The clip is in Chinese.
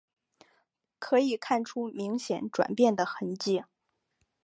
可以看出明显转变的痕迹